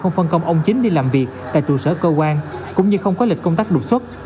không phân công ông chính đi làm việc tại trụ sở cơ quan cũng như không có lịch công tác đột xuất